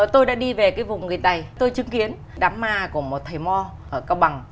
tôi đã đi về cái vùng người tày tôi chứng kiến đám ma của một thầy mò ở cao bằng